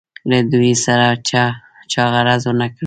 له دوی سره چا غرض ونه کړ.